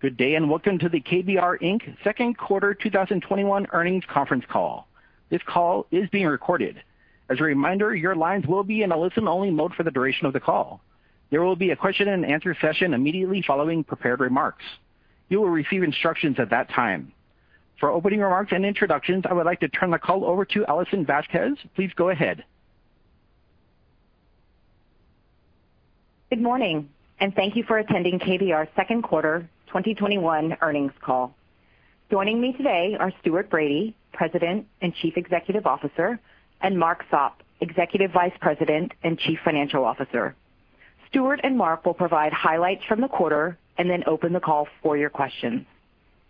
Good day, welcome to the KBR, Inc. Second Quarter 2021 Earnings Conference Call. This call is being recorded. As a reminder, your lines will be in a listen-only mode for the duration of the call. There will be a question and answer session immediately following prepared remarks. You will receive instructions at that time. For opening remarks and introductions, I would like to turn the call over to Alison Vasquez. Please go ahead. Good morning, and thank you for attending KBR's Second Quarter 2021 Earnings Call. Joining me today are Stuart Bradie, President and Chief Executive Officer, and Mark Sopp, Executive Vice President and Chief Financial Officer. Stuart and Mark will provide highlights from the quarter and then open the call for your questions.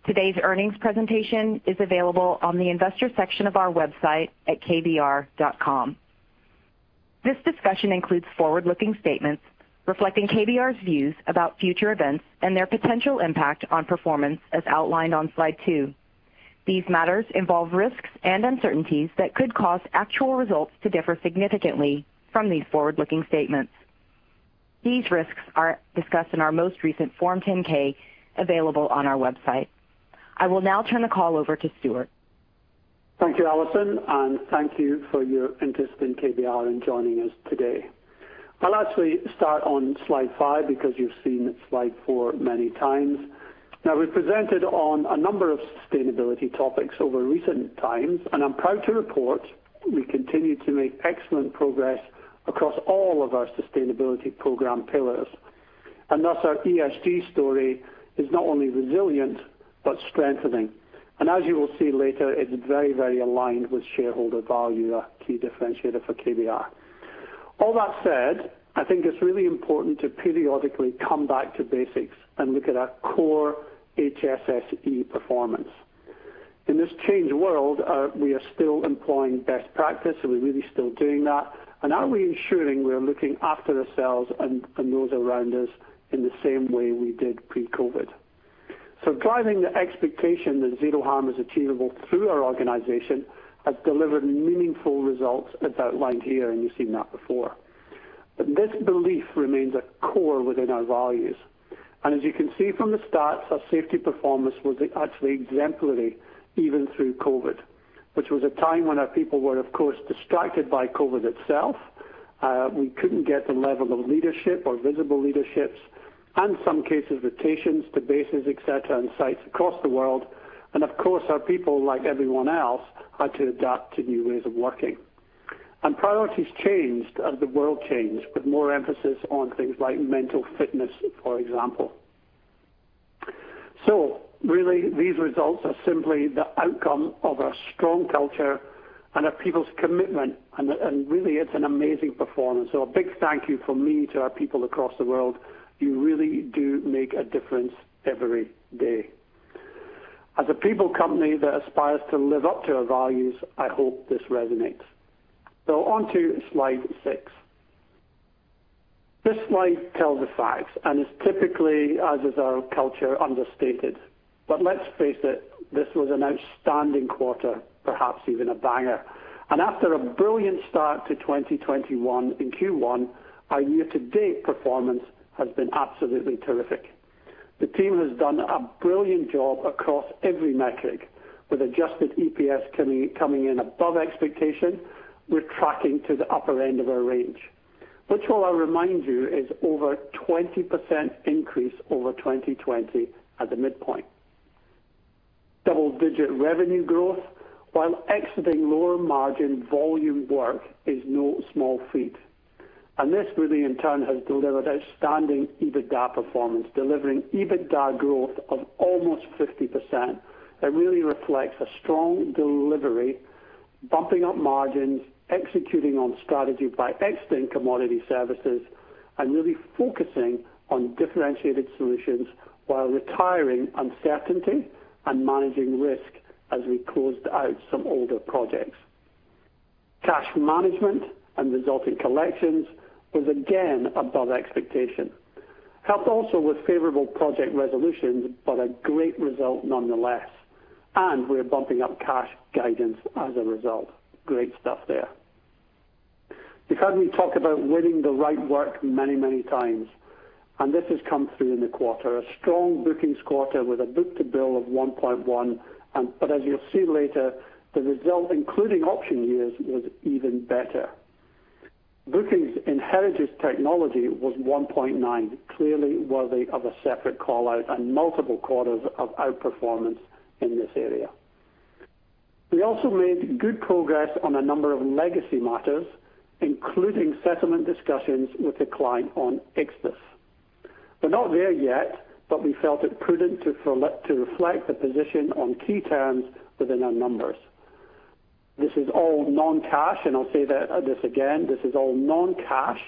Today's earnings presentation is available on the investor section of our website at kbr.com. This discussion includes forward-looking statements reflecting KBR's views about future events and their potential impact on performance, as outlined on slide two. These matters involve risks and uncertainties that could cause actual results to differ significantly from these forward-looking statements. These risks are discussed in our most recent Form 10-K, available on our website. I will now turn the call over to Stuart. Thank you, Alison, and thank you for your interest in KBR and joining us today. I'll actually start on slide five because you've seen slide four many times. We presented on a number of sustainability topics over recent times, and I'm proud to report we continue to make excellent progress across all of our sustainability program pillars. Thus our ESG story is not only resilient but strengthening. As you will see later, it's very aligned with shareholder value, a key differentiator for KBR. All that said, I think it's really important to periodically come back to basics and look at our core HSSE performance. In this changed world, we are still employing best practice, we're really still doing that. Are we ensuring we are looking after ourselves and those around us in the same way we did pre-COVID? Driving the expectation that Zero Harm is achievable through our organization has delivered meaningful results as outlined here, and you've seen that before. This belief remains a core within our values. As you can see from the stats, our safety performance was actually exemplary even through COVID, which was a time when our people were, of course, distracted by COVID itself. We couldn't get the level of leadership or visible leadership, and some cases, rotations to bases, et cetera, and sites across the world. Of course, our people, like everyone else, had to adapt to new ways of working. Priorities changed as the world changed, with more emphasis on things like mental fitness, for example. Really these results are simply the outcome of our strong culture and our people's commitment and really it's an amazing performance. A big thank you from me to our people across the world. You really do make a difference every day. As a people company that aspires to live up to our values, I hope this resonates. Onto slide six. This slide tells the facts and is typically, as is our culture, understated. Let's face it, this was an outstanding quarter, perhaps even a banger. After a brilliant start to 2021 in Q1, our year-to-date performance has been absolutely terrific. The team has done a brilliant job across every metric, with adjusted EPS coming in above expectation. We're tracking to the upper end of our range, which I'll remind you, is over a 20% increase over 2020 at the midpoint. Double-digit revenue growth while exiting lower margin volume work is no small feat. This really in turn has delivered outstanding EBITDA performance, delivering EBITDA growth of almost 50%. It really reflects a strong delivery, bumping up margins, executing on strategy by exiting commodity services, and really focusing on differentiated solutions while retiring uncertainty and managing risk as we closed out some older projects. Cash management and resulting collections was again above expectation. Helped also with favorable project resolutions, a great result nonetheless. We're bumping up cash guidance as a result. Great stuff there. You've heard me talk about winning the right work many times, this has come through in the quarter. A strong bookings quarter with a book-to-bill of 1.1x. As you'll see later, the result including option years was even better. Bookings in heritage technology was 1.9, clearly worthy of a separate call-out and multiple quarters of outperformance in this area. We also made good progress on a number of legacy matters, including settlement discussions with a client on Ichthys. We're not there yet, but we felt it prudent to reflect the position on key terms within our numbers. This is all non-cash, and I'll say this again, this is all non-cash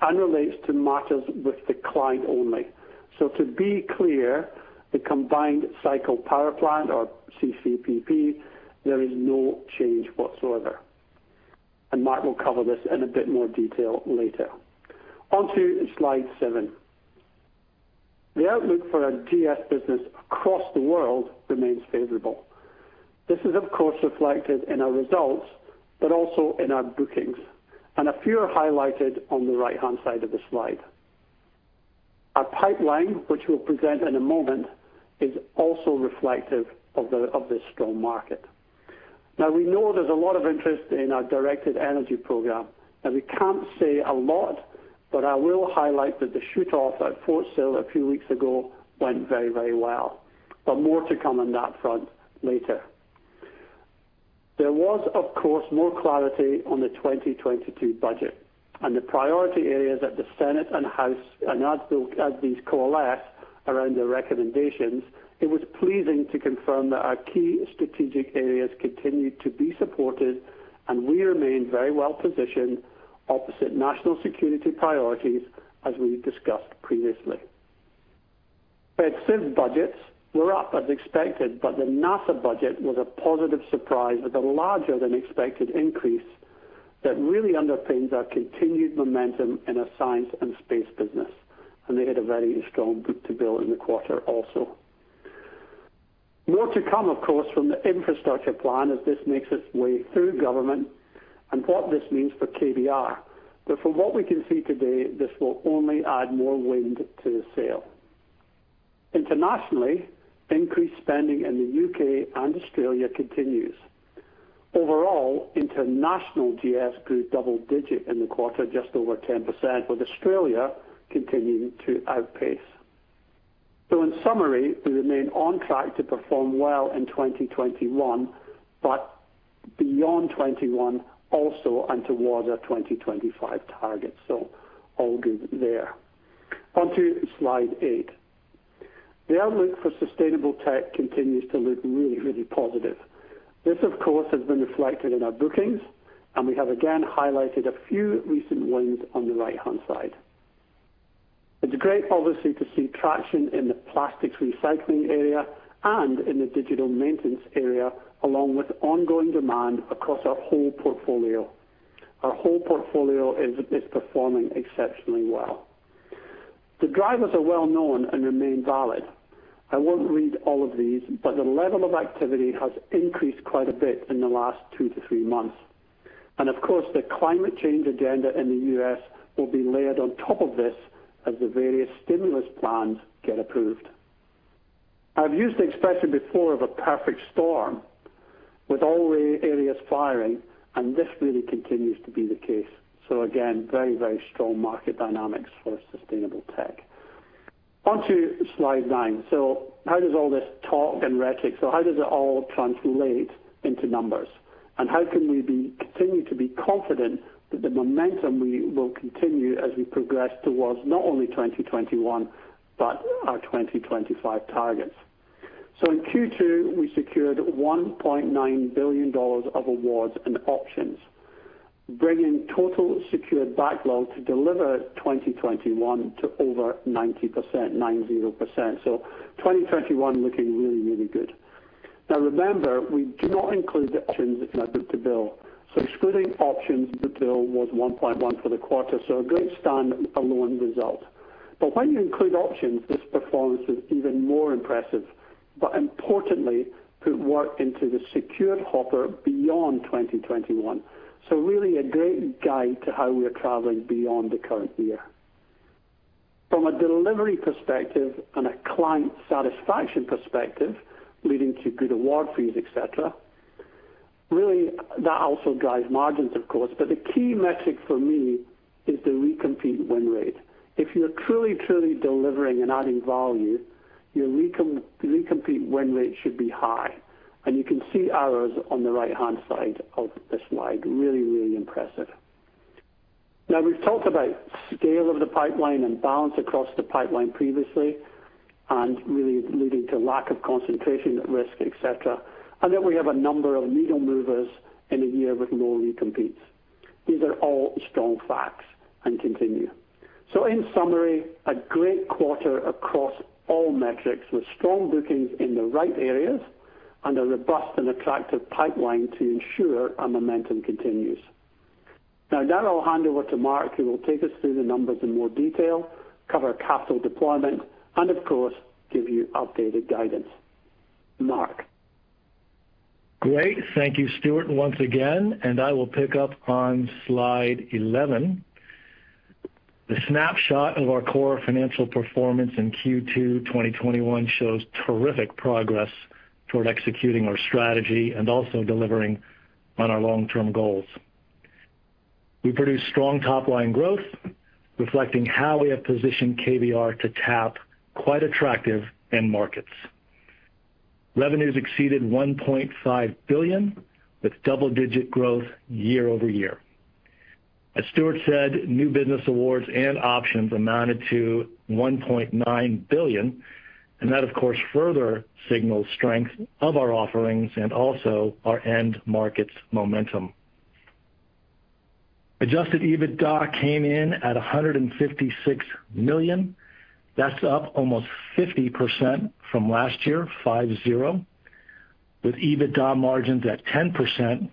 and relates to matters with the client only. To be clear, the combined cycle power plant or CCPP, there is no change whatsoever. Mark will cover this in a bit more detail later. Onto slide seven. The outlook for our GS business across the world remains favorable. This is of course reflected in our results, but also in our bookings, and a few are highlighted on the right-hand side of the slide. Our pipeline, which we'll present in a moment, is also reflective of this strong market. We know there's a lot of interest in our directed energy program, and we can't say a lot, but I will highlight that the shoot off at Fort Sill a few weeks ago went very well. More to come on that front later. There was, of course, more clarity on the 2022 budget and the priority areas that the Senate and House, and as these coalesce around the recommendations, it was pleasing to confirm that our key strategic areas continued to be supported, and we remain very well-positioned opposite national security priorities, as we discussed previously. Fed civ budgets were up as expected, but the NASA budget was a positive surprise with a larger than expected increase that really underpins our continued momentum in our science and space business. They had a very strong book-to-bill in the quarter also. More to come, of course, from the infrastructure plan as this makes its way through government and what this means for KBR. From what we can see today, this will only add more wind to the sail. Internationally, increased spending in the U.K. and Australia continues. Overall, international GS grew double-digit in the quarter, just over 10%, with Australia continuing to outpace. In summary, we remain on track to perform well in 2021, beyond 2021 also and towards our 2025 targets. All good there. On to slide eight. The outlook for sustainable tech continues to look really positive. This, of course, has been reflected in our bookings, and we have again highlighted a few recent wins on the right-hand side. It's great, obviously, to see traction in the plastics recycling area and in the digital maintenance area, along with ongoing demand across our whole portfolio. Our whole portfolio is performing exceptionally well. The drivers are well-known and remain valid. I won't read all of these, but the level of activity has increased quite a bit in the last two to three months. Of course, the climate change agenda in the U.S. will be layered on top of this as the various stimulus plans get approved. I've used the expression before of a perfect storm with all areas firing, and this really continues to be the case. Again, very strong market dynamics for Sustainable Tech. On to slide nine. How does it all translate into numbers? How can we continue to be confident that the momentum will continue as we progress towards not only 2021, but our 2025 targets? In Q2, we secured $1.9 billion of awards and options, bringing total secured backlog to deliver 2021 to over 90%. 2021 looking really good. Now remember, we do not include options in our book-to-bill. Excluding options, the bill was 1.1 for the quarter. A great stand-alone result. When you include options, this performance is even more impressive, but importantly, could work into the secured hopper beyond 2021. Really a great guide to how we are traveling beyond the current year. From a delivery perspective and a client satisfaction perspective, leading to good award fees, et cetera, really, that also drives margins, of course. The key metric for me is the recompete win rate. If you're truly delivering and adding value, your recompete win rate should be high. You can see ours on the right-hand side of the slide. We've talked about scale of the pipeline and balance across the pipeline previously, and really leading to lack of concentration, risk, et cetera, and that we have a number of needle movers in a year with no recompetes. These are all strong facts and continue. In summary, a great quarter across all metrics with strong bookings in the right areas and a robust and attractive pipeline to ensure our momentum continues. I'll hand over to Mark, who will take us through the numbers in more detail, cover capital deployment, and of course, give you updated guidance. Mark. Great. Thank you, Stuart, once again, I will pick up on slide 11. The snapshot of our core financial performance in Q2 2021 shows terrific progress toward executing our strategy and also delivering on our long-term goals. We produced strong top-line growth, reflecting how we have positioned KBR to tap quite attractive end markets. Revenues exceeded $1.5 billion with double-digit growth year-over-year. As Stuart said, new business awards and options amounted to $1.9 billion, and that of course, further signals strength of our offerings and also our end markets momentum. Adjusted EBITDA came in at $156 million. That's up almost 50% from last year, 50, with EBITDA margins at 10%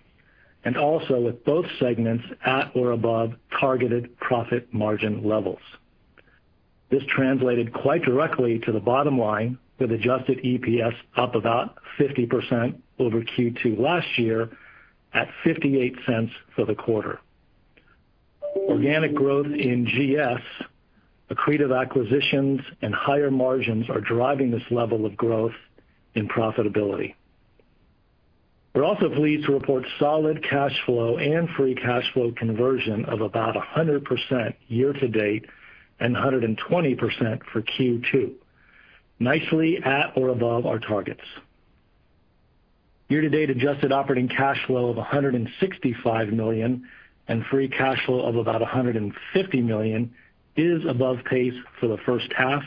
and also with both segments at or above targeted profit margin levels. This translated quite directly to the bottom line with adjusted EPS up about 50% over Q2 last year at $0.58 for the quarter. Organic growth in GS, accretive acquisitions, and higher margins are driving this level of growth in profitability. We're also pleased to report solid cash flow and free cash flow conversion of about 100% year-to-date and 120% for Q2, nicely at or above our targets. Year-to-date adjusted operating cash flow of $165 million and free cash flow of about $150 million is above pace for the first half,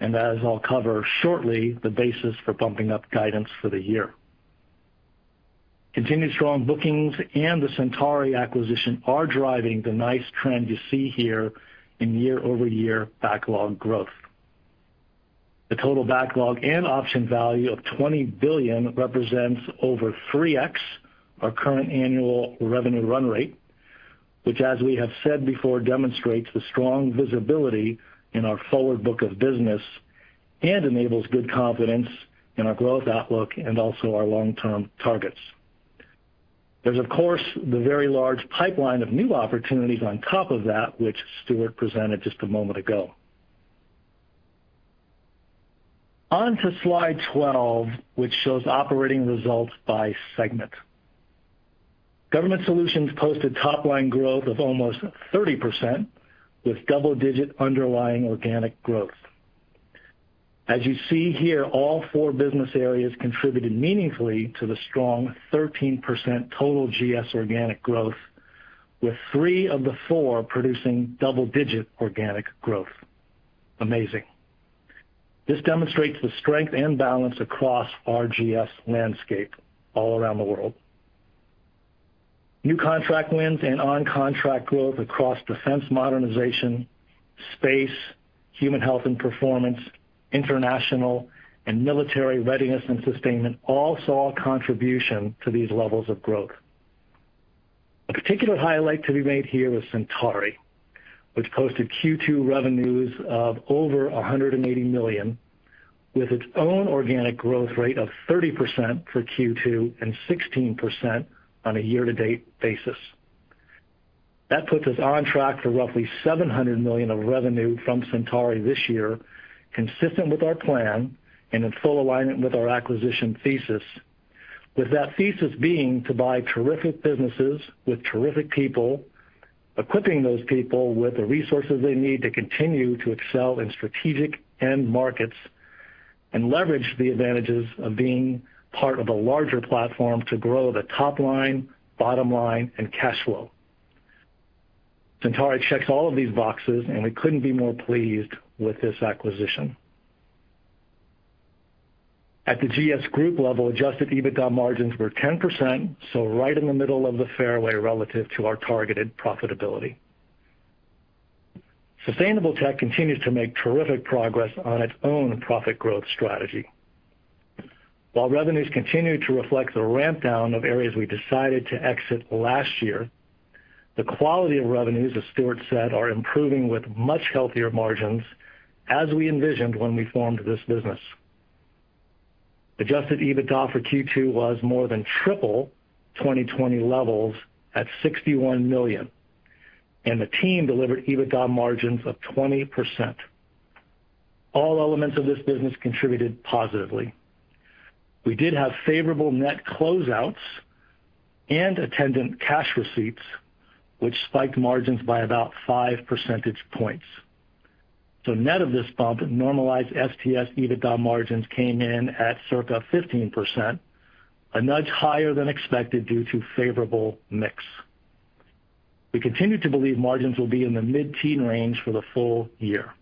as I'll cover shortly, the basis for bumping up guidance for the year. Continued strong bookings and the Centauri acquisition are driving the nice trend you see here in year-over-year backlog growth. The total backlog and option value of $20 billion represents over 3x our current annual revenue run rate, which as we have said before, demonstrates the strong visibility in our forward book of business and enables good confidence in our growth outlook and also our long-term targets. There's of course the very large pipeline of new opportunities on top of that, which Stuart presented just a moment ago. On to slide 12, which shows operating results by segment. Government Solutions posted top line growth of almost 30% with double-digit underlying organic growth. As you see here, all four business areas contributed meaningfully to the strong 13% total GS organic growth, with three of the four producing double-digit organic growth. Amazing. This demonstrates the strength and balance across our GS landscape all around the world. New contract wins and on-contract growth across defense modernization, space, human health and performance, international, and military readiness and sustainment all saw a contribution to these levels of growth. A particular highlight to be made here is Centauri, which posted Q2 revenues of over $180 million with its own organic growth rate of 30% for Q2 and 16% on a year-to-date basis. That puts us on track for roughly $700 million of revenue from Centauri this year, consistent with our plan and in full alignment with our acquisition thesis, with that thesis being to buy terrific businesses with terrific people, equipping those people with the resources they need to continue to excel in strategic end markets, and leverage the advantages of being part of a larger platform to grow the top line, bottom line and cash flow. Centauri checks all of these boxes, and we couldn't be more pleased with this acquisition. At the GS group level, adjusted EBITDA margins were 10%, so right in the middle of the fairway relative to our targeted profitability. Sustainable Tech continues to make terrific progress on its own profit growth strategy. While revenues continue to reflect the ramp down of areas we decided to exit last year, the quality of revenues, as Stuart said, are improving with much healthier margins, as we envisioned when we formed this business. Adjusted EBITDA for Q2 was more than triple 2020 levels at $61 million, and the team delivered EBITDA margins of 20%. All elements of this business contributed positively. We did have favorable net closeouts and attendant cash receipts, which spiked margins by about 5 percentage points. Net of this bump, normalized STS EBITDA margins came in at circa 15%, a nudge higher than expected due to favorable mix. We continue to believe margins will be in the mid-teen range for the full year.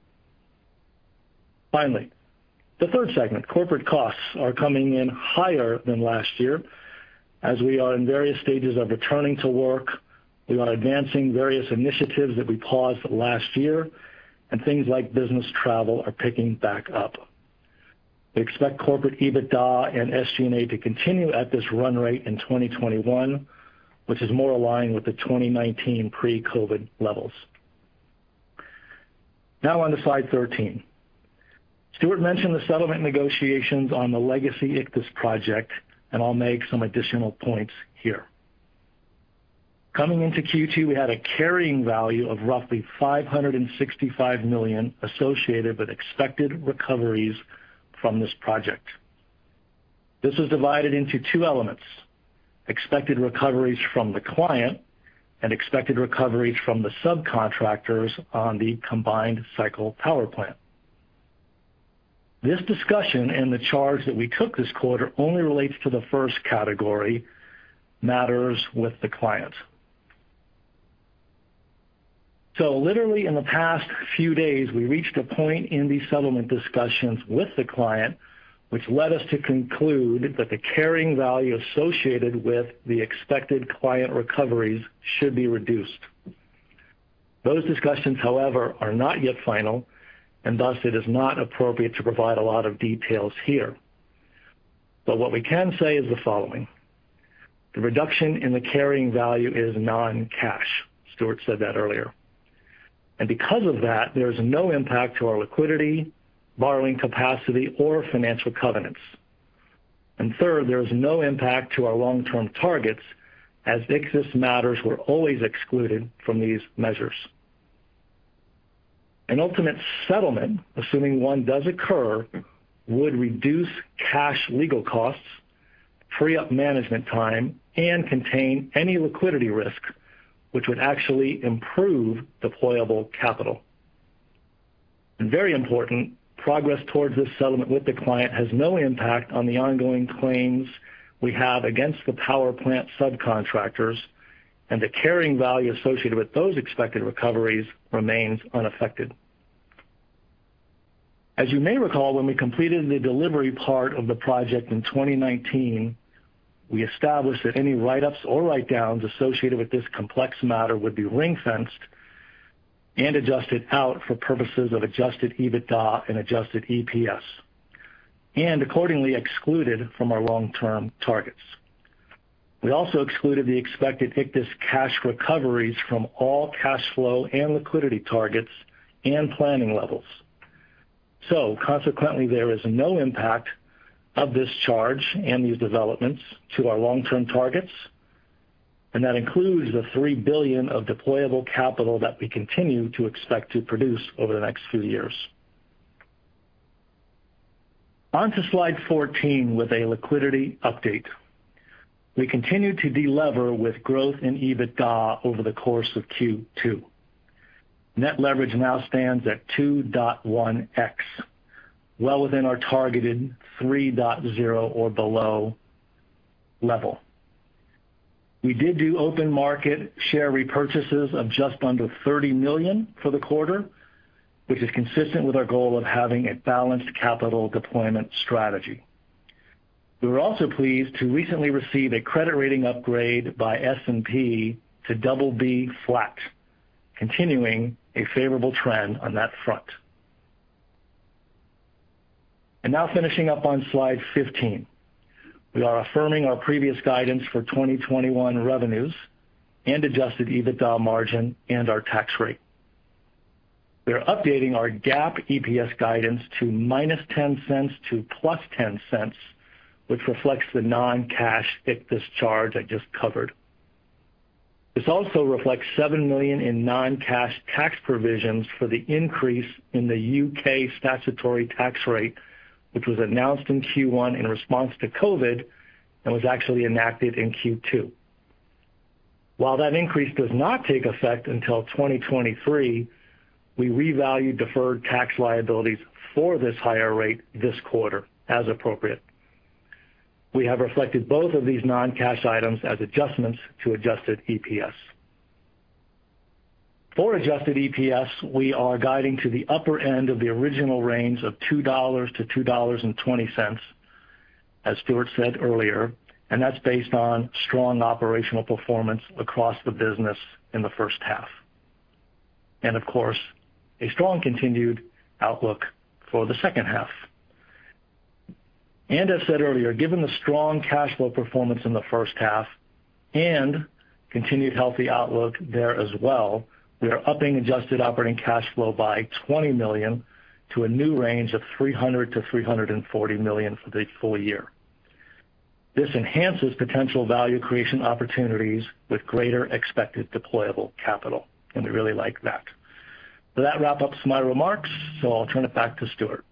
The third segment, corporate costs, are coming in higher than last year as we are in various stages of returning to work, we are advancing various initiatives that we paused last year, and things like business travel are picking back up. We expect corporate EBITDA and SG&A to continue at this run rate in 2021, which is more aligned with the 2019 pre-COVID levels. On to slide 13. Stuart mentioned the settlement negotiations on the legacy Ichthys project, and I'll make some additional points here. Coming into Q2, we had a carrying value of roughly $565 million associated with expected recoveries from this project. This was divided into two elements, expected recoveries from the client and expected recoveries from the subcontractors on the combined cycle power plant. This discussion and the charge that we took this quarter only relates to the first category, matters with the client. Literally in the past few days, we reached a point in these settlement discussions with the client, which led us to conclude that the carrying value associated with the expected client recoveries should be reduced. Those discussions, however, are not yet final, and thus it is not appropriate to provide a lot of details here. What we can say is the following. The reduction in the carrying value is non-cash. Stuart said that earlier. Because of that, there's no impact to our liquidity, borrowing capacity or financial covenants. Third, there's no impact to our long-term targets as Ichthys matters were always excluded from these measures. An ultimate settlement, assuming one does occur, would reduce cash legal costs, free up management time, and contain any liquidity risk, which would actually improve deployable capital. Very important, progress towards this settlement with the client has no impact on the ongoing claims we have against the power plant subcontractors, and the carrying value associated with those expected recoveries remains unaffected. As you may recall, when we completed the delivery part of the project in 2019, we established that any write-ups or write-downs associated with this complex matter would be ring-fenced and adjusted out for purposes of adjusted EBITDA and adjusted EPS, and accordingly excluded from our long-term targets. We also excluded the expected Ichthys cash recoveries from all cash flow and liquidity targets and planning levels. Consequently, there is no impact of this charge and these developments to our long-term targets, and that includes the $3 billion of deployable capital that we continue to expect to produce over the next few years. On to slide 14 with a liquidity update. We continue to de-lever with growth in EBITDA over the course of Q2. Net leverage now stands at 2.1x, well within our targeted 3.0x or below level. We did do open market share repurchases of just under $30 million for the quarter, which is consistent with our goal of having a balanced capital deployment strategy. We were also pleased to recently receive a credit rating upgrade by S&P to BB flat, continuing a favorable trend on that front. Now finishing up on slide 15. We are affirming our previous guidance for 2021 revenues and adjusted EBITDA margin and our tax rate. We are updating our GAAP EPS guidance to -$0.10 to +$0.10, which reflects the non-cash Ichthys charge I just covered. This also reflects $7 million in non-cash tax provisions for the increase in the U.K. statutory tax rate, which was announced in Q1 in response to COVID and was actually enacted in Q2. While that increase does not take effect until 2023, we revalued deferred tax liabilities for this higher rate this quarter as appropriate. We have reflected both of these non-cash items as adjustments to adjusted EPS. For adjusted EPS, we are guiding to the upper end of the original range of $2.00-$2.20, as Stuart said earlier, and that's based on strong operational performance across the business in the first half. Of course, a strong continued outlook for the second half. As said earlier, given the strong cash flow performance in the first half and continued healthy outlook there as well, we are upping adjusted operating cash flow by $20 million to a new range of $300 million-$340 million for the full year. This enhances potential value creation opportunities with greater expected deployable capital, and we really like that. That wraps up my remarks, so I'll turn it back to Stuart.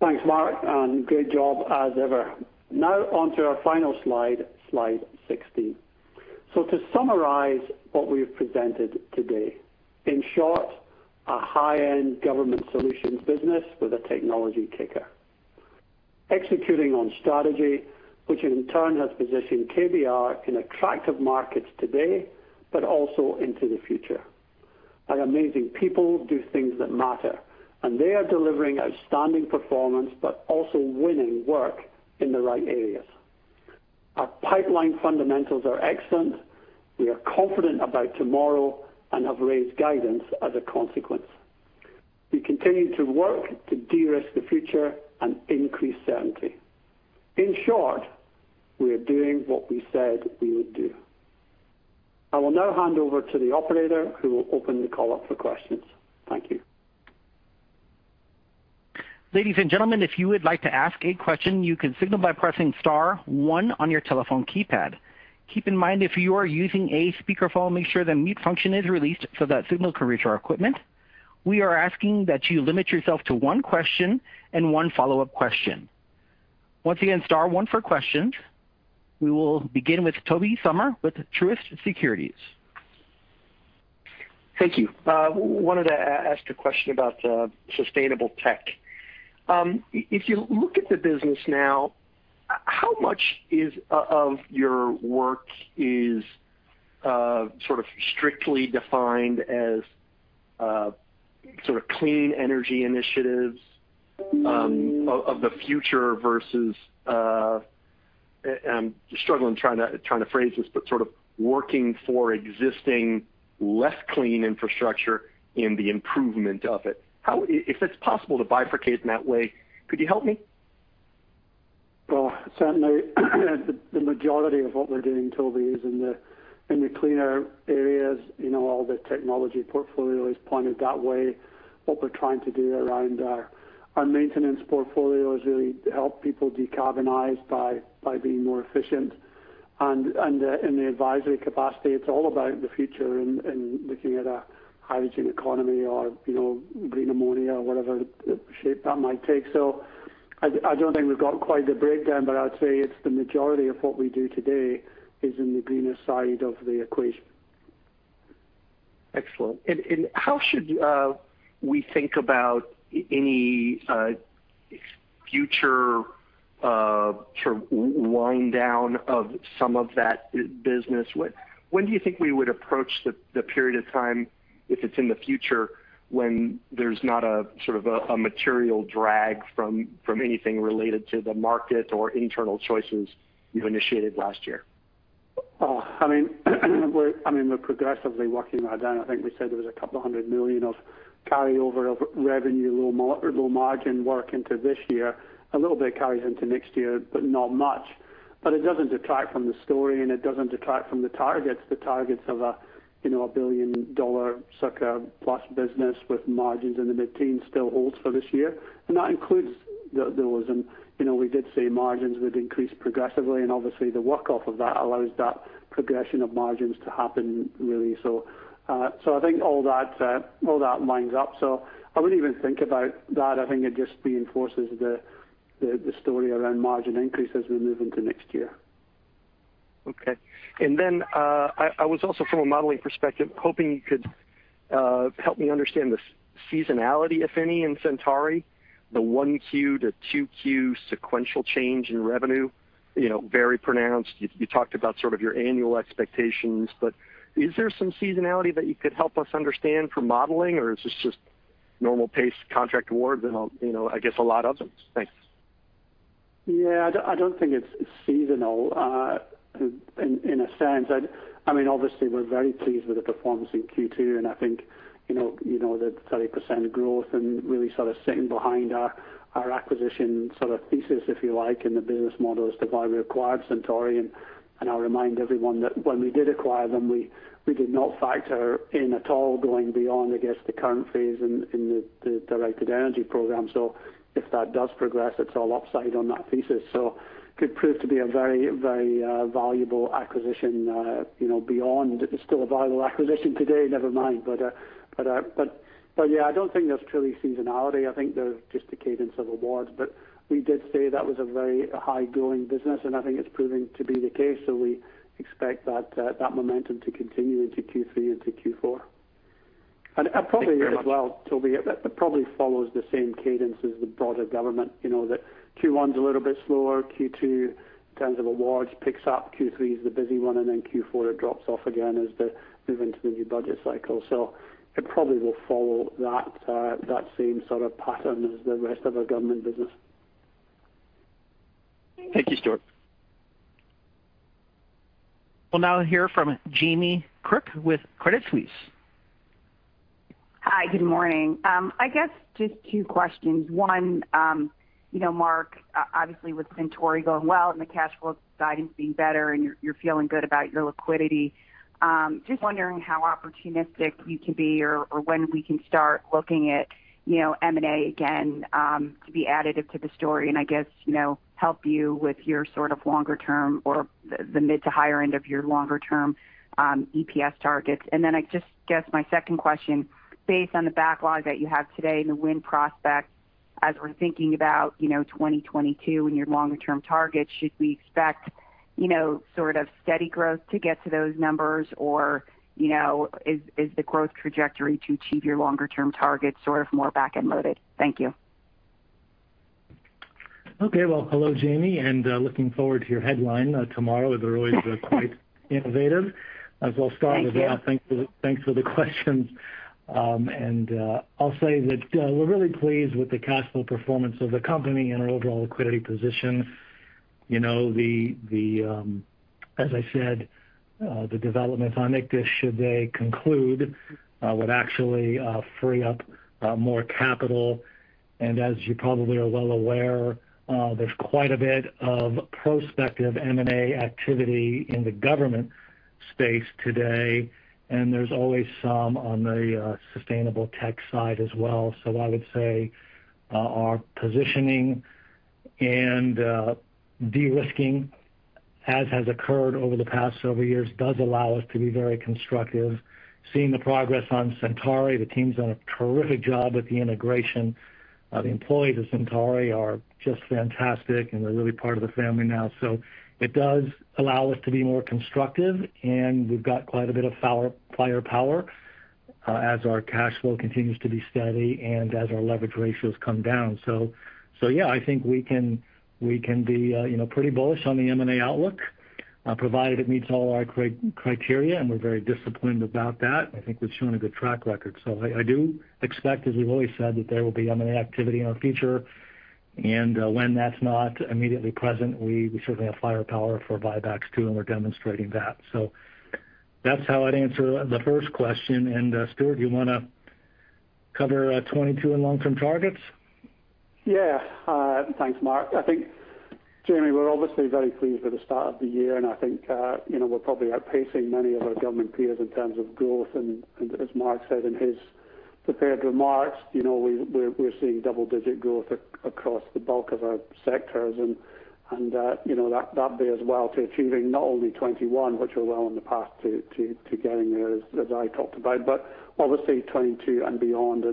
Thanks, Mark, and great job as ever. On to our final slide 16. To summarize what we've presented today. In short, a high-end Government Solutions business with a technology kicker. Executing on strategy, which in turn has positioned KBR in attractive markets today, but also into the future. Our amazing people do things that matter, and they are delivering outstanding performance, but also winning work in the right areas. Our pipeline fundamentals are excellent. We are confident about tomorrow and have raised guidance as a consequence. We continue to work to de-risk the future and increase certainty. In short, we are doing what we said we would do. I will now hand over to the operator, who will open the call up for questions. Thank you. Ladies and gentlemen, if you would like to ask a question, you can signal by pressing star one on your telephone keypad. Keep in mind if you are using a speakerphone, make sure the mute function is released so that signal can reach our equipment. We are asking that you limit yourself to one question and one follow-up question. Once again, star one for questions. We will begin with Tobey Sommer with Truist Securities. Thank you. I wanted to ask a question about Sustainable Tech. If you look at the business now, how much of your work is sort of strictly defined as sort of clean energy initiatives of the future versus. I'm struggling trying to phrase this, but sort of working for existing less clean infrastructure in the improvement of it. If it's possible to bifurcate in that way, could you help me? Well, certainly, the majority of what we're doing, Tobey, is in the cleaner areas. All the technology portfolio is pointed that way. What we're trying to do around our maintenance portfolio is really help people decarbonize by being more efficient. In the advisory capacity, it's all about the future and looking at a hydrogen economy or green ammonia or whatever shape that might take. I don't think we've got quite the breakdown, but I would say it's the majority of what we do today is in the greener side of the equation. Excellent. How should we think about any future sort of wind down of some of that business? When do you think we would approach the period of time, if it's in the future, when there's not a material drag from anything related to the market or internal choices you initiated last year? We're progressively working that down. I think we said there was a couple of hundred million of carryover of revenue, low-margin work into this year. A little bit carries into next year, not much. It doesn't detract from the story, and it doesn't detract from the targets. The targets of a $1 billion circa-plus business with margins in the mid-teens still holds for this year. That includes those. We did say margins would increase progressively, and obviously the work off of that allows that progression of margins to happen, really. I think all that lines up. I wouldn't even think about that. I think it just reinforces the story around margin increase as we move into next year. Okay. Then, I was also from a modeling perspective, hoping you could help me understand the seasonality, if any, in Centauri, the 1Q to 2Q sequential change in revenue, very pronounced. You talked about sort of your annual expectations, but is there some seasonality that you could help us understand for modeling or is this just normal paced contract awards? I guess a lot of them. Thanks. Yeah, I don't think it's seasonal. In a sense, obviously we're very pleased with the performance in Q2, and I think, the 30% growth and really sort of sitting behind our acquisition sort of thesis, if you like, and the business model as to why we acquired Centauri. I'll remind everyone that when we did acquire them, we did not factor in at all going beyond, I guess, the current phase in the directed energy program. If that does progress, it's all upside on that thesis. Could prove to be a very valuable acquisition, beyond still a valuable acquisition today never mind. Yeah, I don't think there's truly seasonality. I think there's just a cadence of awards. We did say that was a very high-growing business, and I think it's proving to be the case. We expect that momentum to continue into Q3 into Q4. Thank you very much. Probably as well, Tobey, it probably follows the same cadence as the broader government. You know that Q1's a little bit slower. Q2 in terms of awards picks up. Q3 is the busy one. Q4, it drops off again as they move into the new budget cycle. It probably will follow that same sort of pattern as the rest of our government business. Thank you, Stuart. We'll now hear from Jamie Cook with Credit Suisse. Hi. Good morning. I guess just two questions. One, Mark, obviously with Centauri going well and the cash flow guidance being better and you're feeling good about your liquidity, just wondering how opportunistic you can be or when we can start looking at M&A again, to be additive to the story and I guess, help you with your sort of longer term or the mid to higher end of your longer term EPS targets. I just guess my second question, based on the backlog that you have today and the win prospects as we're thinking about 2022 and your longer-term targets, should we expect sort of steady growth to get to those numbers? Is the growth trajectory to achieve your longer term targets sort of more back-end loaded? Thank you. Okay. Well, hello Jamie, and looking forward to your headline tomorrow. They're always quite innovative. Thank you. As I'll start with thanks for the questions. I'll say that we're really pleased with the cash flow performance of the company and our overall liquidity position. As I said, the developments on Ichthys should they conclude, would actually free up more capital. As you probably are well aware, there's quite a bit of prospective M&A activity in the government space today, and there's always some on the sustainable tech side as well. I would say our positioning and de-risking, as has occurred over the past several years, does allow us to be very constructive. Seeing the progress on Centauri, the team's done a terrific job with the integration. The employees of Centauri are just fantastic, and they're really part of the family now. It does allow us to be more constructive, and we've got quite a bit of firepower as our cash flow continues to be steady and as our leverage ratios come down. Yeah, I think we can be pretty bullish on the M&A outlook. Provided it meets all our criteria, and we're very disciplined about that. I think we've shown a good track record. I do expect, as we've always said, that there will be M&A activity in our future, and when that's not immediately present, we certainly have firepower for buybacks too, and we're demonstrating that. That's how I'd answer the first question. Stuart, do you want to cover 2022 and long-term targets? Yeah. Thanks, Mark. I think, Jamie, we're obviously very pleased with the start of the year, and I think we're probably outpacing many of our government peers in terms of growth. As Mark said in his prepared remarks, we're seeing double-digit growth across the bulk of our sectors. That bears well to achieving not only 2021, which we're well on the path to getting there, as I talked about, but obviously 2022 and beyond.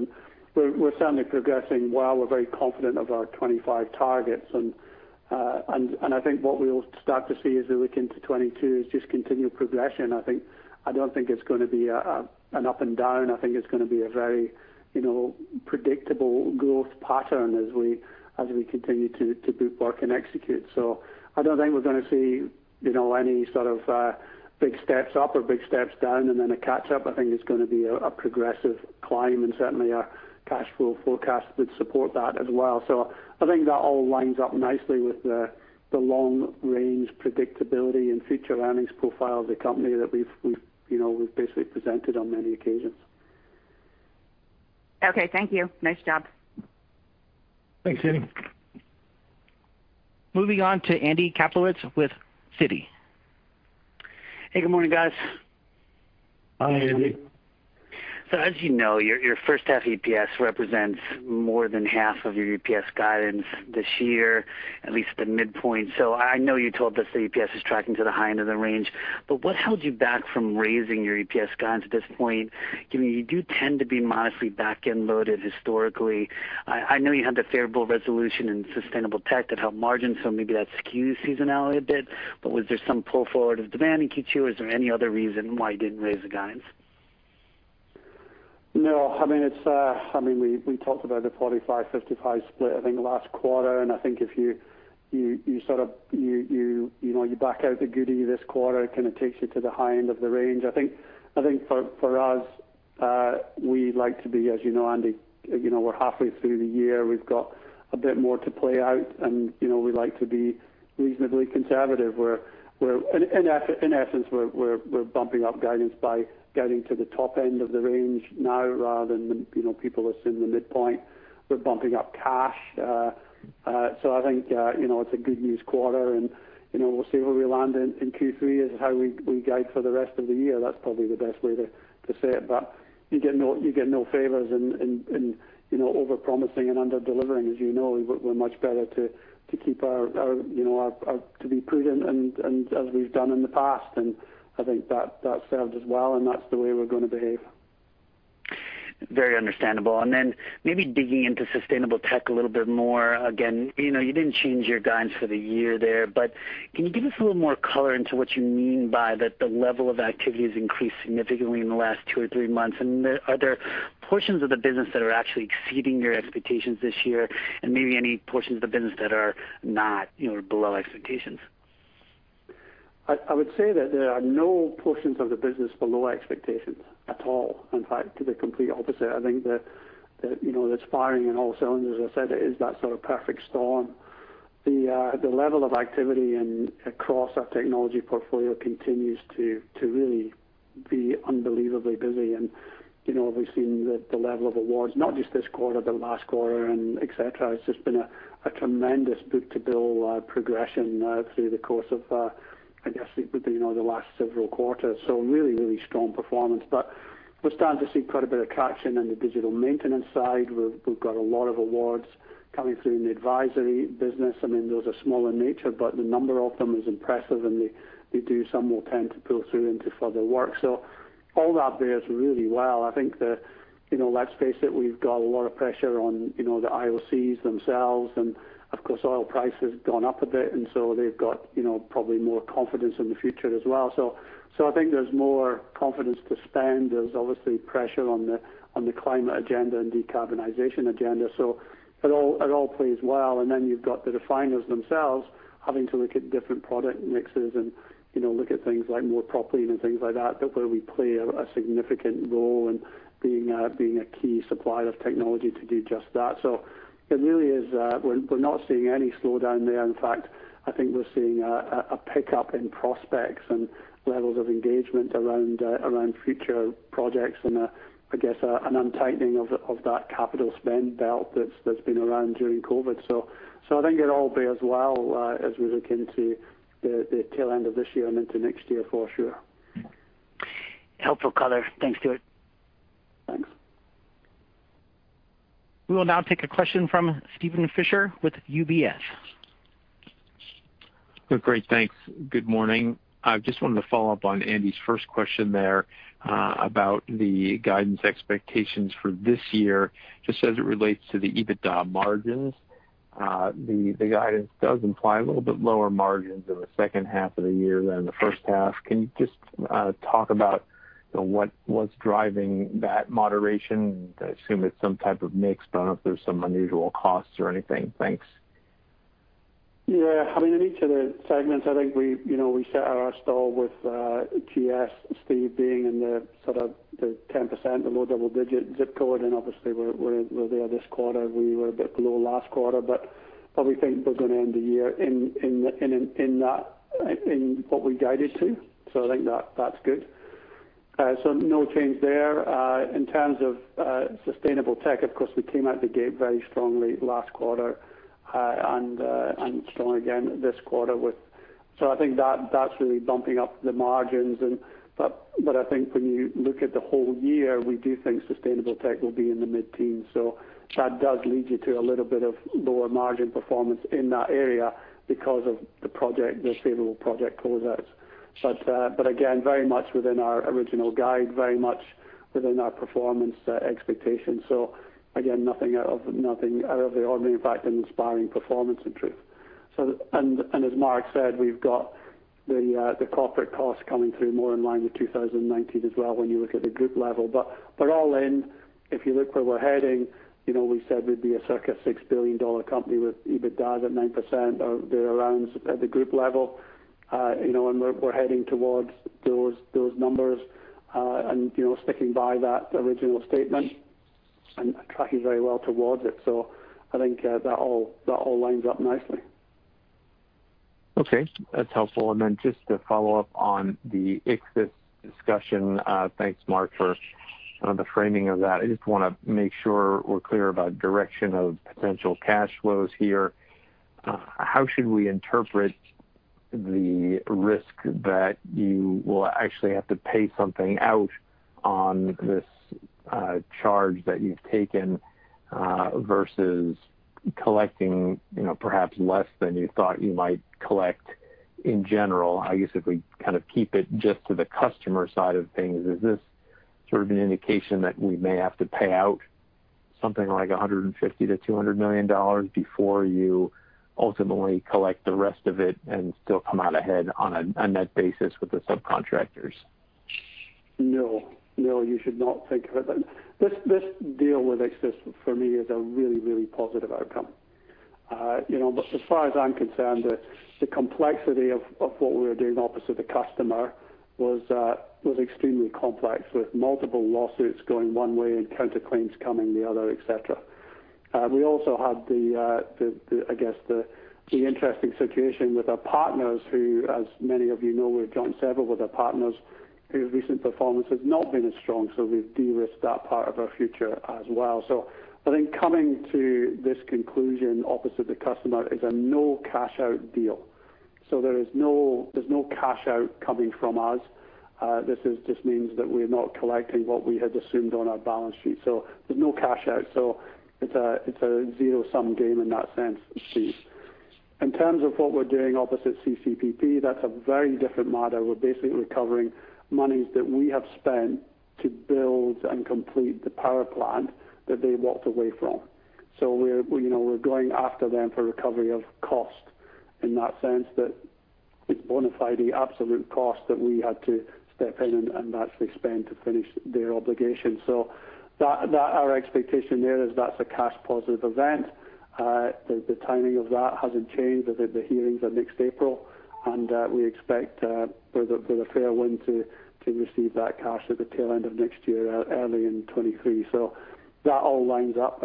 We're certainly progressing well. We're very confident of our 2025 targets. I think what we'll start to see as we look into 2022 is just continued progression. I don't think it's going to be an up and down. I think it's going to be a very predictable growth pattern as we continue to book work and execute. I don't think we're going to see any sort of big steps up or big steps down and then a catch-up. I think it's going to be a progressive climb, and certainly our cash flow forecasts would support that as well. I think that all lines up nicely with the long-range predictability and future earnings profile of the company that we've basically presented on many occasions. Okay, thank you. Nice job. Thanks, Jamie. Moving on to Andy Kaplowitz with Citi. Hey, good morning, guys. Hi, Andy. As you know, your first half EPS represents more than half of your EPS guidance this year, at least the midpoint. I know you told us that EPS is tracking to the high end of the range, but what held you back from raising your EPS guidance at this point? You do tend to be modestly back-end loaded historically. I know you had the favorable resolution in sustainable tech that helped margins, so maybe that skews seasonality a bit. Was there some pull forward of demand in Q2? Is there any other reason why you didn't raise the guidance? No. We talked about the 45/55 split, I think, last quarter, and I think if you back out the goody this quarter, it kind of takes you to the high end of the range. I think for us, we like to be, as you know, Andy, we're halfway through the year. We've got a bit more to play out, and we like to be reasonably conservative. In essence, we're bumping up guidance by getting to the top end of the range now rather than people assume the midpoint. We're bumping up cash. I think it's a good news quarter, and we'll see where we land in Q3 as to how we guide for the rest of the year. That's probably the best way to say it. You get no favors in over-promising and under-delivering, as you know. We're much better to be prudent and as we've done in the past, and I think that served us well, and that's the way we're going to behave. Very understandable. Maybe digging into Sustainable Tech a little bit more. Again, you didn't change your guidance for the year there, but can you give us a little more color into what you mean by that the level of activity has increased significantly in the last two or three months? Are there portions of the business that are actually exceeding your expectations this year? Maybe any portions of the business that are not below expectations? I would say that there are no portions of the business below expectations at all. In fact, to the complete opposite. I think that it's firing on all cylinders. As I said, it is that sort of perfect storm. The level of activity and across our technology portfolio continues to really be unbelievably busy. We've seen the level of awards, not just this quarter, but last quarter and et cetera. It's just been a tremendous book-to-bill progression through the course of, I guess, it would be now the last several quarters. Really strong performance. We're starting to see quite a bit of traction in the digital maintenance side. We've got a lot of awards coming through in the advisory business. Those are small in nature, but the number of them is impressive and they do sometimes tend to pull through into further work. All that bears really well. I think that, let's face it, we've got a lot of pressure on the IOCs themselves, and of course, oil price has gone up a bit, they've got probably more confidence in the future as well. I think there's more confidence to spend. There's obviously pressure on the climate agenda and decarbonization agenda. It all plays well. Then you've got the refiners themselves having to look at different product mixes and look at things like more propylene and things like that, but where we play a significant role in being a key supplier of technology to do just that. We're not seeing any slowdown there. In fact, I think we're seeing a pickup in prospects and levels of engagement around future projects and I guess an untightening of that capital spend belt that's been around during COVID. I think it all bears well as we look into the tail end of this year and into next year for sure. Helpful color. Thanks, Stuart. Thanks. We will now take a question from Steven Fisher with UBS. Great. Thanks. Good morning. I just wanted to follow up on Andy's first question there about the guidance expectations for this year, just as it relates to the EBITDA margins. The guidance does imply a little bit lower margins in the second half of the year than the first half. Can you just talk about what's driving that moderation? I assume it's some type of mix, I don't know if there's some unusual costs or anything. Thanks. In each of the segments, I think we set our stall with GS, Steve being in the sort of the 10%, the low double-digit ZIP Code, and obviously we're there this quarter. We were a bit below last quarter, what we think we're going to end the year in what we guided to. I think that's good. No change there. In terms of Sustainable Tech, of course, we came out the gate very strongly last quarter, and strong again this quarter. I think that's really bumping up the margins. I think when you look at the whole year, we do think Sustainable Tech will be in the mid-teens. That does lead you to a little bit of lower margin performance in that area because of the favorable project closeouts. Again, very much within our original guide, very much within our performance expectations. Again, nothing out of the ordinary. In fact, an inspiring performance in truth. As Mark said, we've got the corporate costs coming through more in line with 2019 as well when you look at the group level. All in, if you look where we're heading, we said we'd be a circa $6 billion company with EBITDA at 9% or thereabouts at the group level. We're heading towards those numbers and sticking by that original statement and tracking very well towards it. I think that all lines up nicely. Okay. That's helpful. Then just to follow up on the Ichthys discussion. Thanks, Mark, for the framing of that. I just want to make sure we're clear about direction of potential cash flows here. How should we interpret the risk that you will actually have to pay something out on this charge that you've taken versus collecting perhaps less than you thought you might collect in general? If we kind of keep it just to the customer side of things, is this sort of an indication that we may have to pay out something like $150 million-$200 million before you ultimately collect the rest of it and still come out ahead on a net basis with the subcontractors? No, you should not think of it like that. This deal with Ichthys for me is a really positive outcome. As far as I'm concerned, the complexity of what we were doing opposite the customer was extremely complex, with multiple lawsuits going one way and counterclaims coming the other, et cetera. We also had, I guess, the interesting situation with our partners who, as many of you know, we're joint several with our partners, whose recent performance has not been as strong. We've de-risked that part of our future as well. I think coming to this conclusion opposite the customer is a no cash-out deal. There's no cash out coming from us. This just means that we're not collecting what we had assumed on our balance sheet. There's no cash out. It's a zero-sum game in that sense, Steve. In terms of what we're doing opposite CCPP, that's a very different matter. We're basically recovering monies that we have spent to build and complete the power plant that they walked away from. We're going after them for recovery of cost in that sense that we've bonafide the absolute cost that we had to step in and actually spend to finish their obligation. Our expectation there is that's a cash positive event. The timing of that hasn't changed as if the hearings are next April, and we expect with a fair wind to receive that cash at the tail end of next year, early in 2023. That all lines up.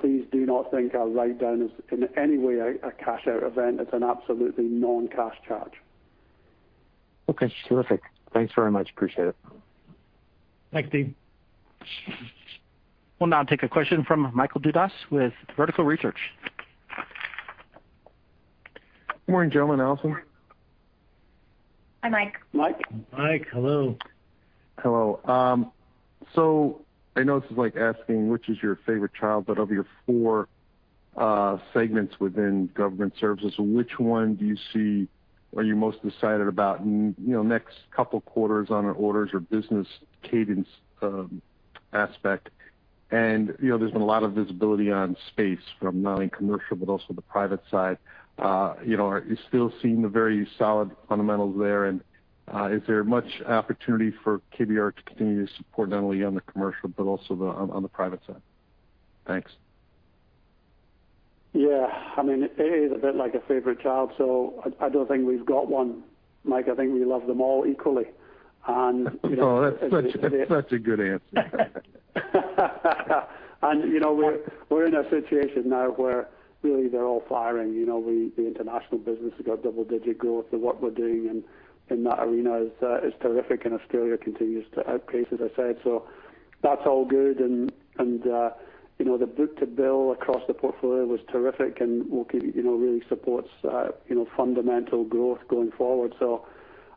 Please do not think our write-down is in any way a cash out event. It's an absolutely non-cash charge. Okay, terrific. Thanks very much. Appreciate it. Thanks, Steve. We'll now take a question from Michael Dudas with Vertical Research. Morning, gentlemen. Alison. Hi, Mike. Mike. Mike, hello. Hello. I know this is like asking which is your favorite child, but of your four segments within Government Solutions, which one are you most excited about in the next couple of quarters on an orders or business cadence aspect? There's been a lot of visibility on space from not only commercial but also the private side. Are you still seeing the very solid fundamentals there? Is there much opportunity for KBR to continue to support not only on the commercial but also on the private side? Thanks. Yeah. It is a bit like a favorite child, so I don't think we've got one, Mike. I think we love them all equally. Oh, that's such a good answer. We're in a situation now where really they're all firing. The international business has got double-digit growth, and what we're doing in that arena is terrific, and Australia continues to outpace, as I said. That's all good, and the book-to-bill across the portfolio was terrific and really supports fundamental growth going forward.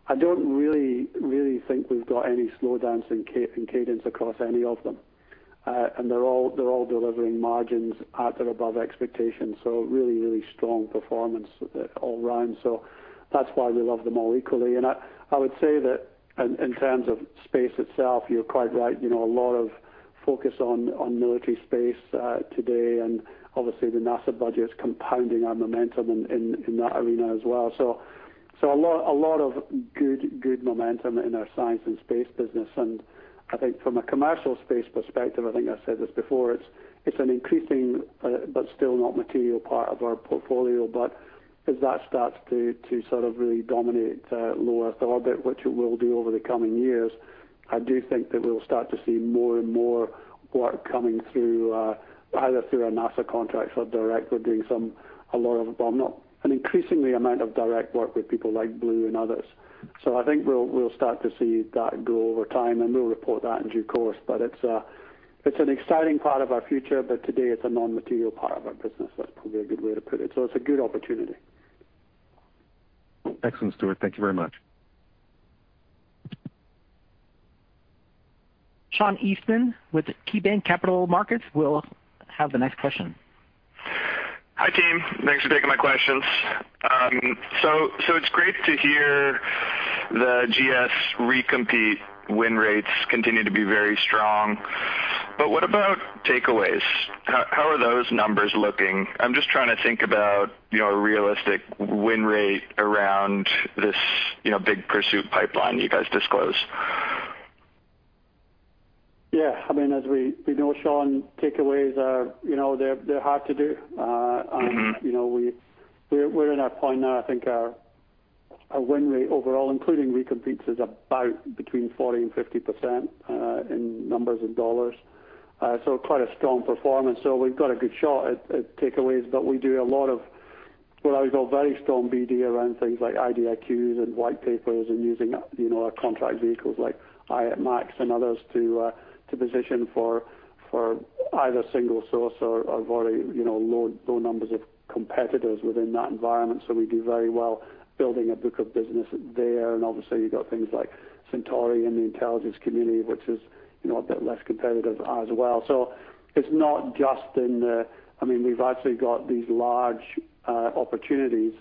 I don't really think we've got any slowdowns in cadence across any of them. They're all delivering margins at or above expectations. Really strong performance all round. That's why we love them all equally. I would say that in terms of space itself, you're quite right. A lot of focus on military space today, and obviously the NASA budget's compounding our momentum in that arena as well. A lot of good momentum in our science and space business. I think from a commercial space perspective, I think I said this before, it's an increasing, but still not material part of our portfolio. As that starts to sort of really dominate low-earth orbit, which it will do over the coming years, I do think that we'll start to see more and more work coming through, either through our NASA contracts or directly doing some, but not an increasingly amount of direct work with people like Blue and others. I think we'll start to see that grow over time, and we'll report that in due course. It's an exciting part of our future, but today it's a non-material part of our business. That's probably a good way to put it. It's a good opportunity. Excellent, Stuart. Thank you very much. Sean Eastman with KeyBanc Capital Markets will have the next question. Hi, team. Thanks for taking my questions. It's great to hear the GS recompete win rates continue to be very strong. What about takeaways? How are those numbers looking? I'm just trying to think about a realistic win rate around this big pursuit pipeline you guys disclose. Yeah. As we know, Sean, takeaways, they're hard to do. We're in a point now, I think our win rate overall, including recompetes, is about between 40% and 50% in numbers and dollars. Quite a strong performance. We've got a good shot at takeaways, but we do a lot of what I would call very strong BD around things like IDIQs and white papers and using our contract vehicles like IAC-MAC and others to position for either single source or very low numbers of competitors within that environment. We do very well building a book of business there. Obviously, you've got things like Centauri and the intelligence community, which is a bit less competitive as well. It's not just. We've actually got these large opportunities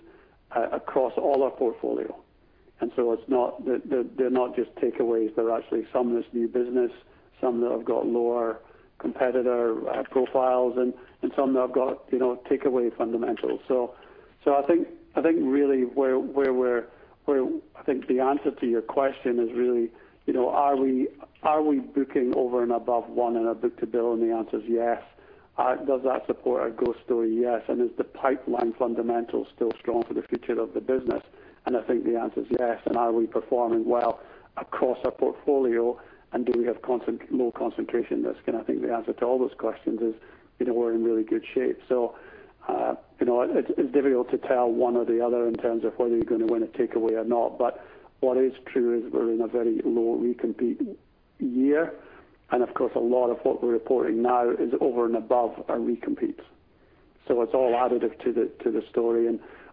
across all our portfolio. They're not just takeaways, they're actually some that's new business, some that have got lower competitor profiles and some that have got takeaway fundamentals. I think really, I think the answer to your question is really, are we booking over and above one in our book-to-bill? The answer is yes. Does that support our growth story? Yes. Is the pipeline fundamentals still strong for the future of the business? I think the answer is yes. Are we performing well across our portfolio and do we have low concentration risk? I think the answer to all those questions is we're in really good shape. It's difficult to tell one or the other in terms of whether you're going to win a takeaway or not. What is true is we're in a very low recompete year. Of course, a lot of what we're reporting now is over and above our recompetes. It's all additive to the story.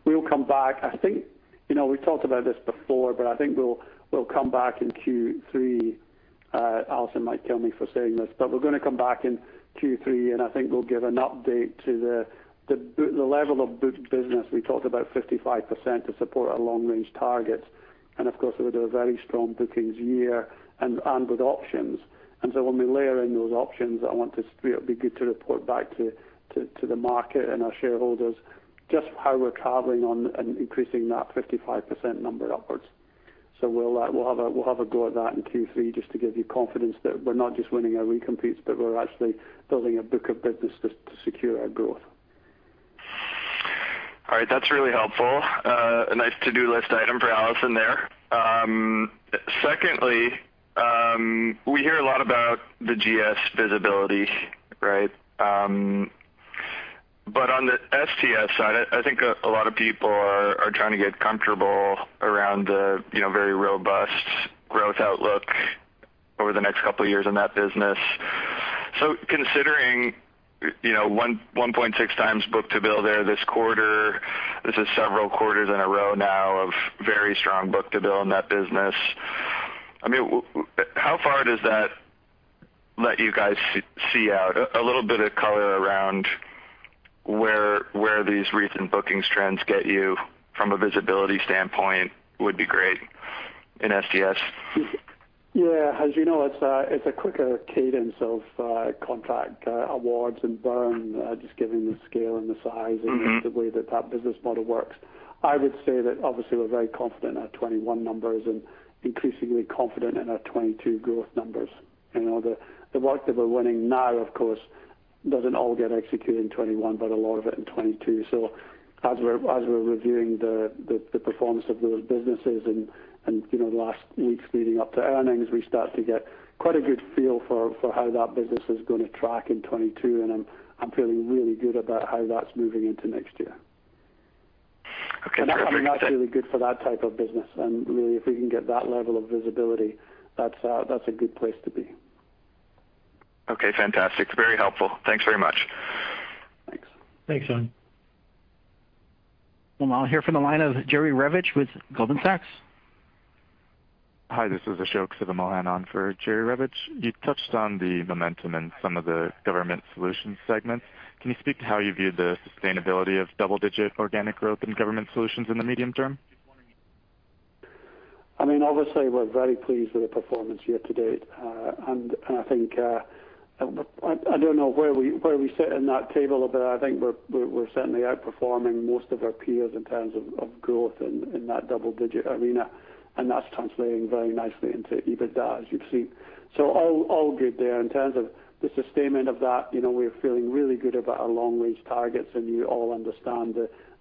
We'll come back. I think we talked about this before, but I think we'll come back in Q3. Alison might kill me for saying this. We're going to come back in Q3, and I think we'll give an update to the level of booked business. We talked about 55% to support our long-range targets. Of course, we'll do a very strong bookings year and with options. When we layer in those options, I want to be good to report back to the market and our shareholders just how we're traveling on and increasing that 55% number upwards. We'll have a go at that in Q3 just to give you confidence that we're not just winning our recompetes, but we're actually building a book of business to secure our growth. All right. That's really helpful. A nice to-do list item for Alison there. Secondly, we hear a lot about the GS visibility, right? On the STS side, I think a lot of people are trying to get comfortable around the very robust growth outlook over the next couple of years in that business. Considering 1.6x book-to-bill there this quarter, this is several quarters in a row now of very strong book-to-bill in that business. How far does that let you guys see out? A little bit of color around where these recent bookings trends get you from a visibility standpoint would be great in STS. Yeah. As you know, it's a quicker cadence of contract awards and burn, just given the scale and the size. The way that that business model works. I would say that obviously we're very confident in our 2021 numbers and increasingly confident in our 2022 growth numbers. The work that we're winning now, of course, doesn't all get executed in 2021, but a lot of it in 2022. As we're reviewing the performance of those businesses and the last weeks leading up to earnings, we start to get quite a good feel for how that business is going to track in 2022. I'm feeling really good about how that's moving into next year. Okay. That's really good for that type of business. Really, if we can get that level of visibility, that's a good place to be. Okay, fantastic. Very helpful. Thanks very much. Thanks. We'll now hear from the line of Jerry Revich with Goldman Sachs. Hi, this is Ashok Sivamohan on for Jerry Revich. You touched on the momentum in some of the Government Solutions segments. Can you speak to how you view the sustainability of double-digit organic growth in Government Solutions in the medium term? Obviously, we're very pleased with the performance year to date. I don't know where we sit in that table, but I think we're certainly outperforming most of our peers in terms of growth in that double-digit arena, and that's translating very nicely into EBITDA, as you've seen. All good there. In terms of the sustainment of that, we're feeling really good about our long-range targets, and you all understand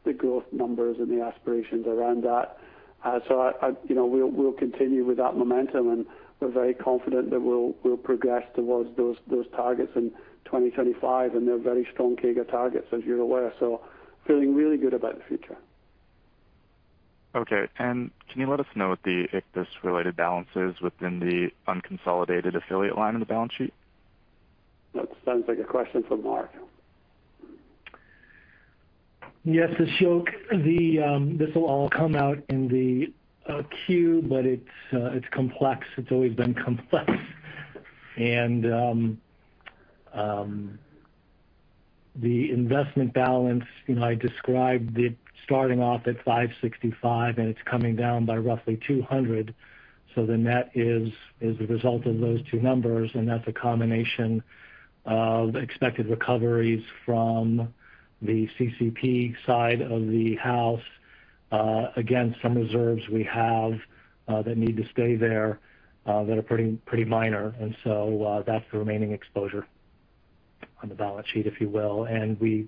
the growth numbers and the aspirations around that. We'll continue with that momentum, and we're very confident that we'll progress towards those targets in 2025, and they're very strong CAGR targets, as you're aware. Feeling really good about the future. Okay. Can you let us know what the Ichthys-related balance is within the unconsolidated affiliate line in the balance sheet? That sounds like a question for Mark. Yes, Ashok. This will all come out in the Q, but it's complex. It's always been complex. The investment balance, I described it starting off at $565 and it's coming down by roughly $200. The net is a result of those two numbers, and that's a combination of expected recoveries from the CCPP side of the house. Again, some reserves we have that need to stay there that are pretty minor. That's the remaining exposure on the balance sheet, if you will. We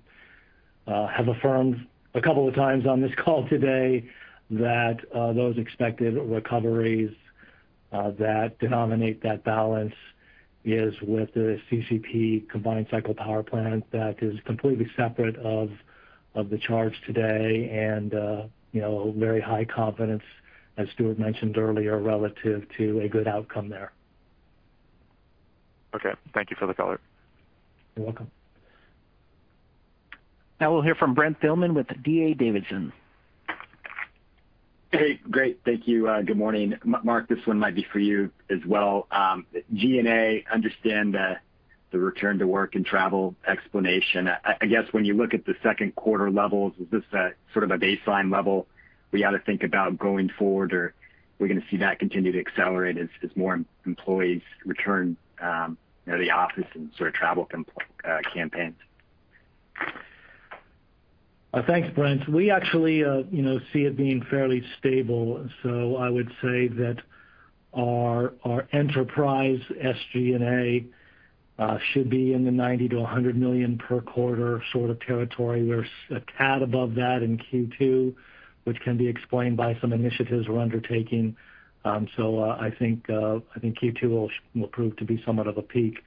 have affirmed a couple of times on this call today that those expected recoveries that denominate that balance is with the CCPP combined cycle power plant that is completely separate of the charge today and very high confidence, as Stuart mentioned earlier, relative to a good outcome there. Okay. Thank you for the color. You're welcome. Now we'll hear from Brent Thielman with D.A. Davidson. Hey, great. Thank you. Good morning. Mark, this one might be for you as well. G&A understand the return to work and travel explanation. I guess when you look at the second quarter levels, is this sort of a baseline level we ought to think about going forward, or we're going to see that continue to accelerate as more employees return to the office and sort of travel campaigns? Thanks, Brent. We actually see it being fairly stable. I would say that our enterprise SG&A should be in the $90 million-$100 million per quarter sort of territory. We're a tad above that in Q2, which can be explained by some initiatives we're undertaking. I think Q2 will prove to be somewhat of a peak,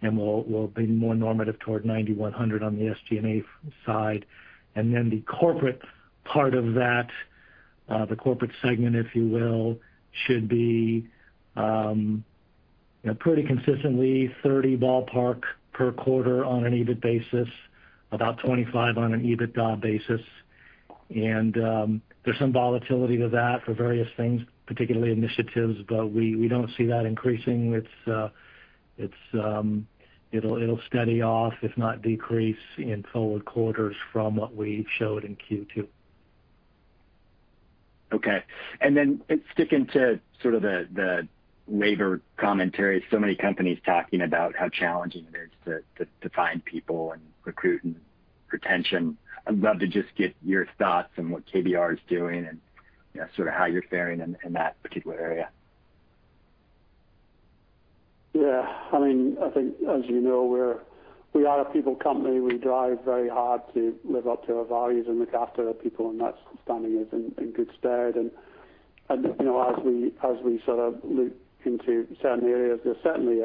and we'll be more normative toward $90, $100 on the SG&A side. The corporate part of that, the corporate segment, if you will, should be pretty consistently $30 ballpark per quarter on an EBIT basis, about $25 on an EBITDA basis. There's some volatility to that for various things, particularly initiatives, but we don't see that increasing. It'll steady off, if not decrease in forward quarters from what we showed in Q2. Okay. Sticking to sort of the labor commentary, many companies talking about how challenging it is to find people and recruit and retention. I'd love to just get your thoughts on what KBR is doing and sort of how you're faring in that particular area? I think as you know, we are a people company. We drive very hard to live up to our values and look after our people, that's standing us in good stead. As we sort of loop into certain areas, there's certainly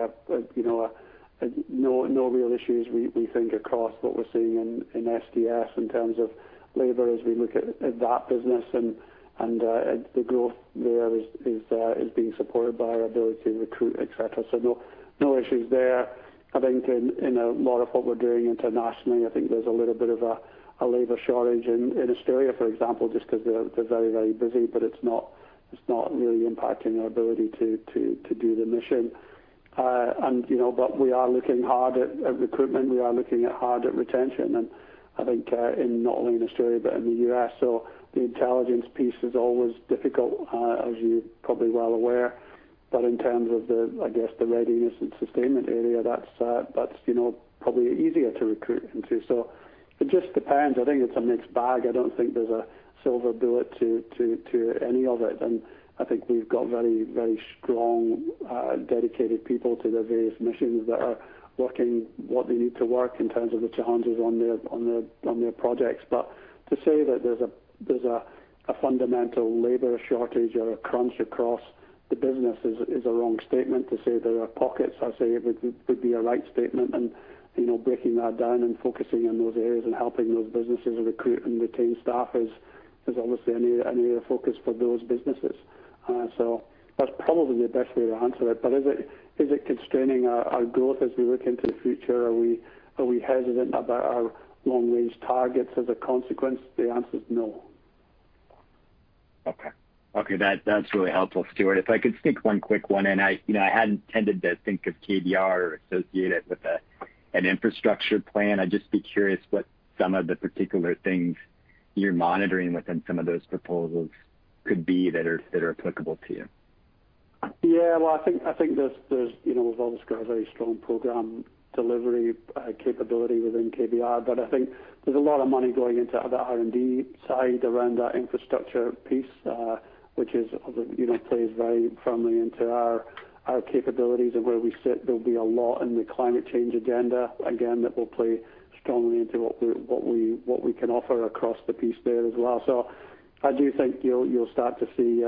no real issues, we think, across what we're seeing in STS in terms of labor as we look at that business, the growth there is being supported by our ability to recruit, et cetera. No issues there. I think in a lot of what we're doing internationally, I think there's a little bit of a labor shortage in Australia, for example, just because they're very busy, it's not really impacting our ability to do the mission. We are looking hard at recruitment. We are looking hard at retention. I think not only in Australia, but in the U.S. The intelligence piece is always difficult, as you're probably well aware. In terms of the readiness and sustainment area, that's probably easier to recruit into. It just depends. I think it's a mixed bag. I don't think there's a silver bullet to any of it. I think we've got very strong, dedicated people to the various missions that are working what they need to work in terms of the challenges on their projects. To say that there's a fundamental labor shortage or a crunch across the business is a wrong statement. To say there are pockets, I'd say it would be a right statement. Breaking that down and focusing on those areas and helping those businesses recruit and retain staff is obviously an area of focus for those businesses. That's probably the best way to answer it. Is it constraining our growth as we look into the future? Are we hesitant about our long-range targets as a consequence? The answer is no. Okay. That's really helpful, Stuart. If I could sneak one quick one in. I hadn't tended to think of KBR or associate it with an infrastructure plan. I'd just be curious what some of the particular things you're monitoring within some of those proposals could be that are applicable to you. I think there's always got a very strong program delivery capability within KBR, I think there's a lot of money going into the R&D side around that infrastructure piece, which plays very firmly into our capabilities and where we sit. There'll be a lot in the climate change agenda, again, that will play strongly into what we can offer across the piece there as well. I do think you'll start to see,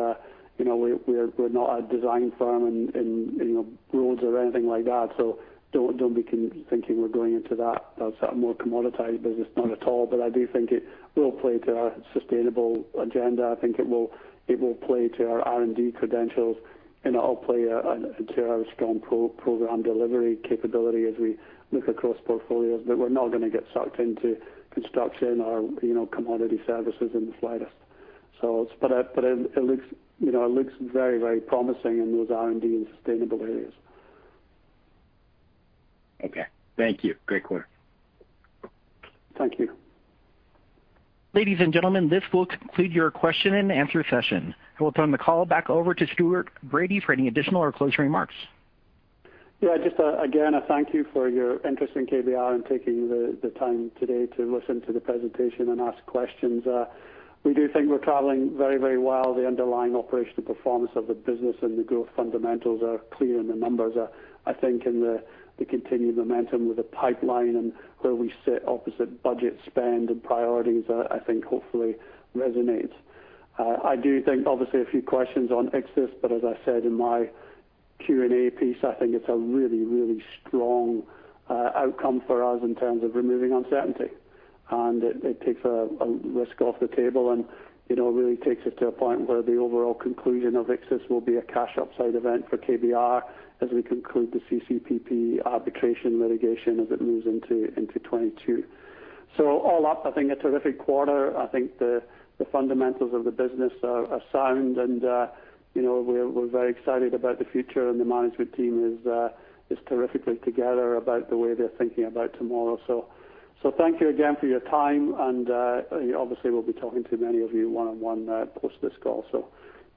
we're not a design firm in roads or anything like that, don't be thinking we're going into that more commoditized business. Not at all. I do think it will play to our sustainable agenda. I think it will play to our R&D credentials, it'll play into our strong program delivery capability as we look across portfolios. We're not going to get sucked into construction or commodity services in the slightest. It looks very promising in those R&D and sustainable areas. Okay. Thank you. Great query. Thank you. Ladies and gentlemen, this will conclude your question and answer session. I will turn the call back over to Stuart Bradie for any additional or closing remarks. Just again, a thank you for your interest in KBR and taking the time today to listen to the presentation and ask questions. We do think we're traveling very well. The underlying operational performance of the business and the growth fundamentals are clear, and the numbers, I think in the continued momentum with the pipeline and where we sit opposite budget spend and priorities, I think hopefully resonates. I do think, obviously a few questions on Ichthys, but as I said in my Q&A piece, I think it's a really strong outcome for us in terms of removing uncertainty, and it takes a risk off the table and really takes it to a point where the overall conclusion of Ichthys will be a cash upside event for KBR as we conclude the CCPP arbitration litigation as it moves into 2022. All up, I think a terrific quarter. I think the fundamentals of the business are sound, and we're very excited about the future, and the management team is terrifically together about the way they're thinking about tomorrow. Thank you again for your time, and obviously, we'll be talking to many of you one-on-one post this call.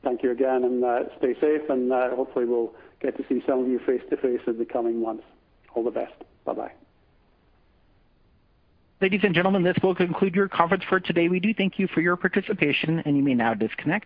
Thank you again, and stay safe, and hopefully, we'll get to see some of you face-to-face in the coming months. All the best. Bye-bye. Ladies and gentlemen, this will conclude your conference for today. We do thank you for your participation, and you may now disconnect.